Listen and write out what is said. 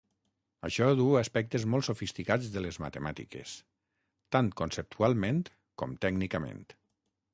Això duu a aspectes molt sofisticats de les matemàtiques, tant conceptualment com tècnicament.